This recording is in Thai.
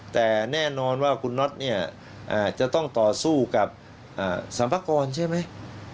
แต่แน่นอนว่าคุณน็อตเนี่ยจะต้องต่อสู้กับสรรพากรใช่ไหม